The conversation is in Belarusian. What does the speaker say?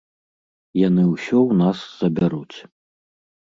Яны ўсё ў нас забяруць!